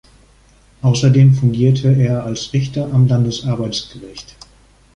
Außerdem fungierte er als Richter am Landesarbeitsgericht.